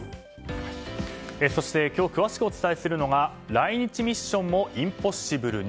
そして今日詳しくお伝えするのが来日ミッションもインポッシブルに。